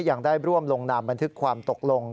ยังได้ร่วมลงนามบันทึกความตกลง